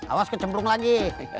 awas kecemplung lagi